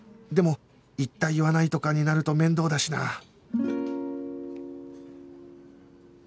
でも言った言わないとかになると面倒だしなあ